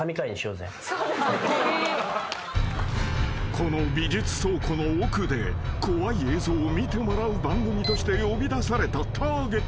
［この美術倉庫の奥で怖い映像を見てもらう番組として呼び出されたターゲットは］